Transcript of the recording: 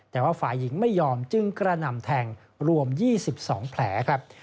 แต่ว่าฝ่ายหญิงไม่ยอมจึงกระหน่ำแทงรวม๒๒แผลครับ